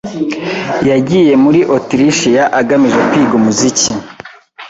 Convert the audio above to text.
Yagiye muri Otirishiya agamije kwiga umuziki.